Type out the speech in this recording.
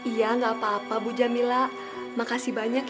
iya gak apa apa bu jamilah makasih banyak ya bu